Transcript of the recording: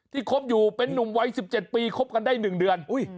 ที่คบอยู่เป็นนุ่มวัยสิบเจ็ดปีคบกันได้หนึ่งเดือนอุ้ย